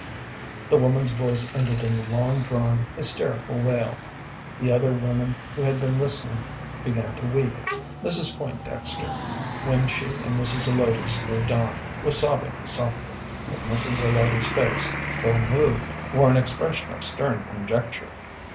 The woman's voice ended in a long drawn, hysterical wail. The other women who had been listening began to weep. Mrs. Pointdexter, when she and Mrs. Zelotes moved on, was sobbing softly, but Mrs. Zelotes's face, though moved, wore an expression of stern conjecture.